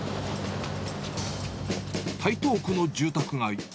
台東区の住宅街。